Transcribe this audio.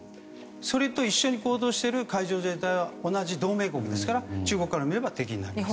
それと一緒に行動している海上自衛隊は同じ同盟国ですから中国から見れば敵となります。